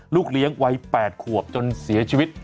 ลูกเลี้ยงวัย๘ขวบจนเสียชีวิต